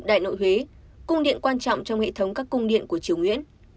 đại nội huế cung điện quan trọng trong hệ thống các cung điện của triều nguyễn